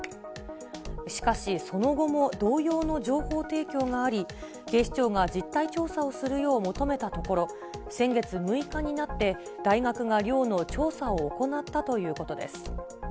しかし、その後も同様の情報提供があり、警視庁が実態調査をするよう求めたところ、先月６日になって、大学が寮の調査を行ったということです。